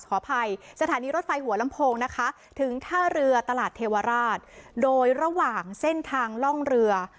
ขออภัยสถานีรถไฟหัวลำโพงนะคะถึงท่าเรือตลาดเทวราชโดยระหว่างเส้นทางล่องเรือ